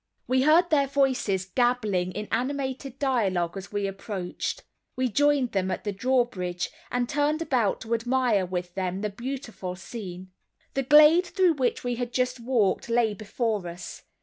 We heard their voices gabbling in animated dialogue as we approached. We joined them at the drawbridge, and turned about to admire with them the beautiful scene. The glade through which we had just walked lay before us.